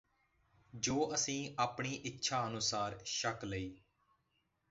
ਜੋ ਅਸੀਂ ਆਪਣੀ ਇੱਛਾ ਅਨੁਸਾਰ ਛਕ ਲਈ